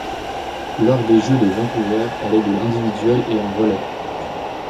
Lors des Jeux de Vancouver, elle est de l'individuelle et en relais.